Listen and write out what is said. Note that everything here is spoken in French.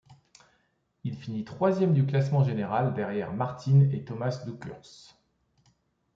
Il finit troisième du classement général derrière Martin et Tomass Dukurs.